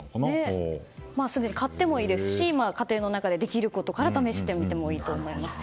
買ってもいいですし家庭の中でできることから試してみてもいいと思います。